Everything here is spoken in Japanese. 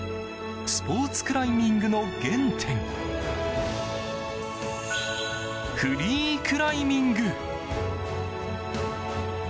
スポーツクライミングの原点フリークライミング。